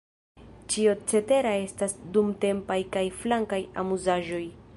Ĉio cetera estas dumtempaj kaj flankaj amuzaĵoj.